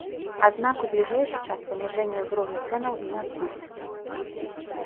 Аднак у бліжэйшы час паніжэнне ўзроўню цэнаў не адбудзецца.